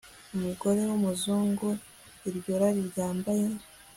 umugore wumuzungu iryo rari ryambaye